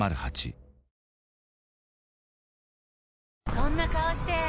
そんな顔して！